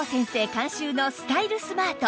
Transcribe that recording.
監修のスタイルスマート